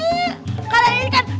kalian ini kan the power of emak emak